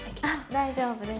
大丈夫です。